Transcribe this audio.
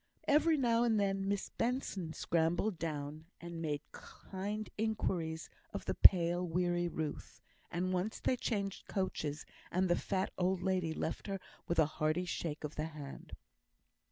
Every now and then, Miss Benson scrambled down, and made kind inquiries of the pale, weary Ruth; and once they changed coaches, and the fat old lady left her with a hearty shake of the hand.